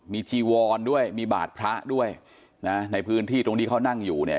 มีจีวอนด้วยมีบาดพระด้วยนะในพื้นที่ตรงที่เขานั่งอยู่เนี่ย